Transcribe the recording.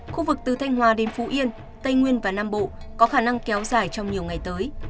khu vực từ thanh hòa đến phú yên tây nguyên và nam bộ có khả năng kéo dài trong nhiều ngày tới